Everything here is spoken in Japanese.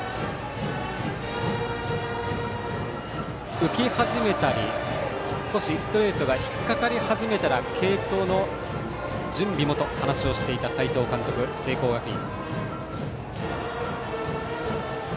浮き始めたり少しストレートが引っかかり始めたら継投の準備もと話をしていた斎藤監督、聖光学院。